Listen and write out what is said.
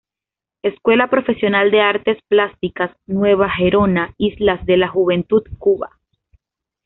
Escuela Profesional de Artes Plásticas, Nueva Gerona, Isla de la Juventud, Cuba.